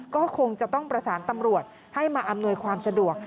ก็คงจะต้องประสานตำรวจให้มาอำนวยความสะดวก